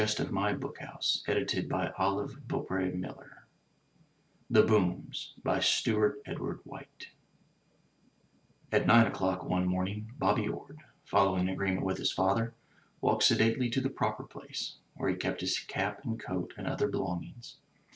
123 M Y BOOK HOUSE THE BOOMS* Stewart Edward White r nine o'clock one morning Bobby Orde, following an agreement with his father, walked sedately to the Proper Place, where he kept his cap and coat and other belongings.